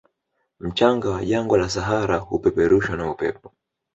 Mchanga wa jangwa la sahara hupeperushwa na upepo